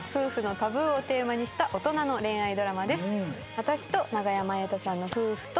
私と永山瑛太さんの夫婦と。